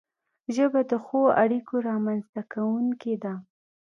ژبه د ښو اړیکو رامنځته کونکی ده